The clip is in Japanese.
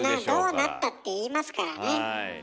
どうなったって言いますからねはい。